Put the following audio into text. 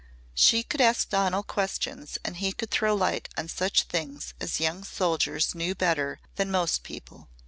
She could ask Donal questions and he could throw light on such things as young soldiers knew better than most people.